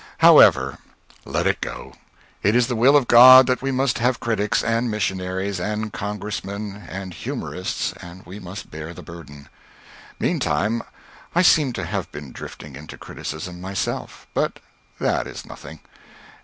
However, let it go. It is the will of God that we must have critics, and missionaries, and Congressmen, and humorists, and we must bear the burden. Meantime, I seem to have been drifting into criticism myself. But that is nothing.